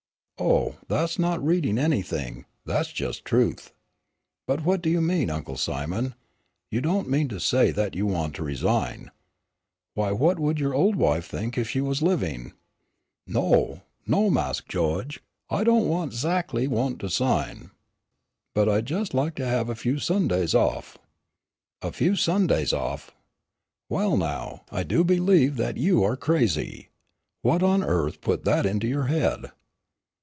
"Oh, that's not reading anything, that's just truth. But what do you mean, Uncle Simon, you don't mean to say that you want to resign. Why what would your old wife think if she was living?" "No, no, Mas' Gawge, I don't ezzactly want to 'sign, but I'd jes' lak to have a few Sundays off." "A few Sundays off! Well, now, I do believe that you are crazy. What on earth put that into your head?"